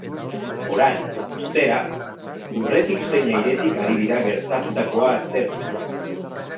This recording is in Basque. Orain, ostera, lurretik zein airetik ari dira gertatutakoa aztertzen.